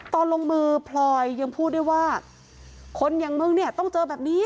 ตอนลงมือพลอยยังพูดได้ว่าคนอย่างมึงเนี่ยต้องเจอแบบนี้